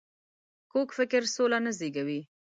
کوږ فکر سوله نه زېږوي